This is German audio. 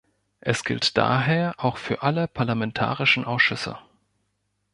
Es gilt daher auch für alle parlamentarischen Ausschüsse.